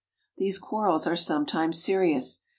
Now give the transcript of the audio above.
These quarrels are sometimes serious.